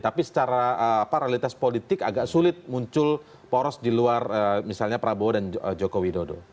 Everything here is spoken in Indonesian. tapi secara realitas politik agak sulit muncul poros di luar misalnya prabowo dan joko widodo